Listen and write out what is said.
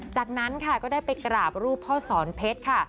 จากนั้นค่ะก็ได้ไปกราบรูปพ่อสอนเพชรค่ะ